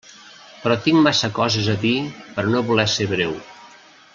Però tinc massa coses a dir per a no voler ser breu.